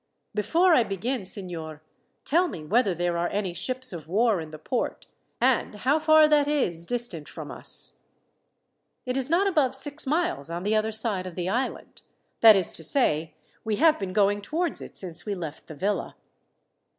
"Before I begin, signor, tell me whether there are any ships of war in the port, and how far that is distant from us?" "It is not above six miles on the other side of the island. That is to say, we have been going towards it since we left the villa.